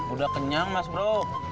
udah kenyang mas bro